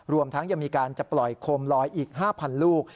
รวมทั้งยังมีการจะปล่อยโคมลอยอีก๕๐๐ลูก